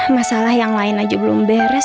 masalah yang lain aja belum beres